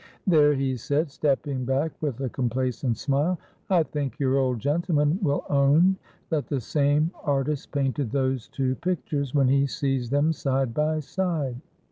"There," he said, stepping back with a complacent smile, "I think your old gentleman will own that the same artist painted those two pictures, when he sees them side by side."